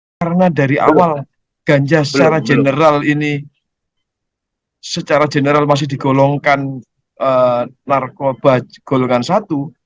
karena dari awal ganja secara general ini secara general masih digolongkan narkoba golongan satu